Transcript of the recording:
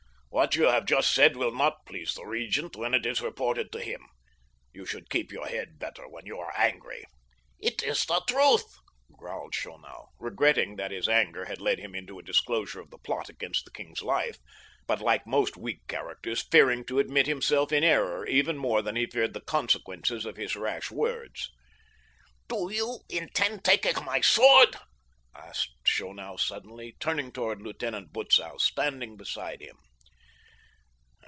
What you have just said will not please the Regent when it is reported to him. You should keep your head better when you are angry." "It is the truth," growled Schonau, regretting that his anger had led him into a disclosure of the plot against the king's life, but like most weak characters fearing to admit himself in error even more than he feared the consequences of his rash words. "Do you intend taking my sword?" asked Schonau suddenly, turning toward Lieutenant Butzow standing beside him.